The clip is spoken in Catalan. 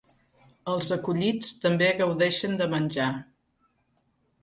Els acollits també gaudeixen de menjar.